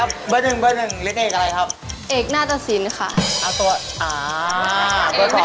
เบอร์๓ฝึกหน้าจักษินมากี่ปีคะ